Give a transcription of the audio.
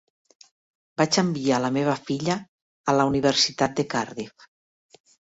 Vaig enviar la meva filla a la Universitat de Cardiff.